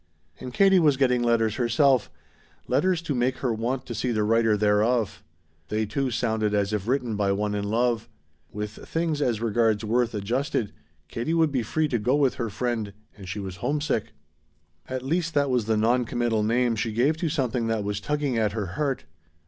And Katie was getting letters herself, letters to make her want to see the writer thereof. They, too, sounded as if written by one in love. With things as regards Worth adjusted, Katie would be free to go with her friend, and she was homesick. At least that was the non committal name she gave to something that was tugging at her heart.